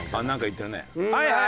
なんか言ってるね。